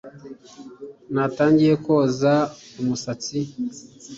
natangiye koza umusatsi